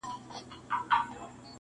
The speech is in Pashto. • چي پیدا کړي لږ ثروت بس هوایې سي,